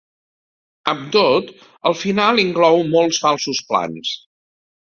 Amb tot el final inclou molts falsos plans.